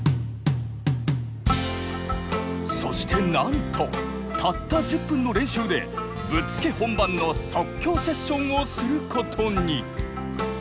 そしてなんとたった１０分の練習で「ぶっつけ本番の即興セッション」をすることに。